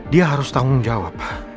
dia harus tanggung jawab